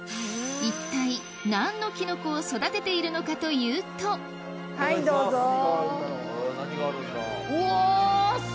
一体何のキノコを育てているのかというと何があるんだ？